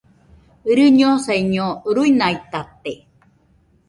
Rɨñosaiño, ruinaitate.